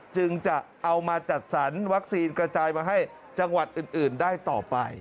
จึงจะเอามาจัดสรรวัคซีนกระจายมาให้จังหวัดอื่นได้ต่อไป